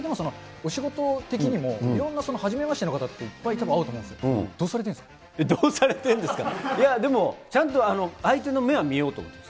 お仕事的にも、いろんなはじめましての方っていっぱいいつも会うと思うんですけどうされてるんですか、いや、でもちゃんと相手の目は見ようと思ってます。